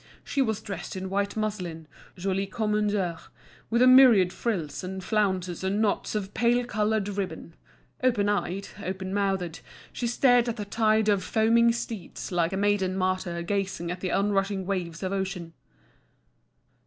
She was dressed in white muslin, joli comme un cœur, with a myriad frills and flounces and knots of pale coloured ribbon. Open eyed, open mouthed, she stared at the tide of foaming steeds, like a maiden martyr gazing at the on rushing waves of ocean!